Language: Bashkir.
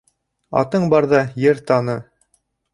Атың барҙа ер таны